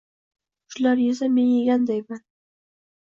Shular yesa, men yegandayman.